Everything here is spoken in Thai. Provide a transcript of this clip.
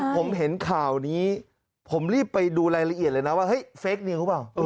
ผมเห็นข่าวนี้ผมรีบไปดูรายละเอียดเลยนะว่าเฮ้ยเฟคนิวหรือเปล่า